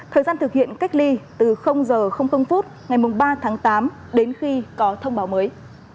thời gian thực hiện cách ly từ h ngày ba tháng tám đến khi có thông báo mới